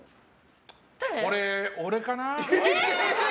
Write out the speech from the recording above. これ、俺かな？